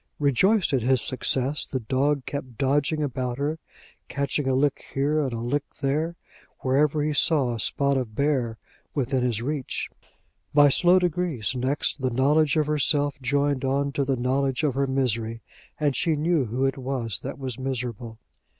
Rejoiced at his success, the dog kept dodging about her, catching a lick here and a lick there, wherever he saw a spot of bare within his reach. By slow degrees, next, the knowledge of herself joined on to the knowledge of her misery, and she knew who it was that was miserable.